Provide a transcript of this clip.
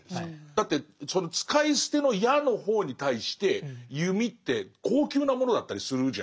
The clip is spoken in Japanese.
だってその使い捨ての矢の方に対して弓って高級なものだったりするじゃないですか。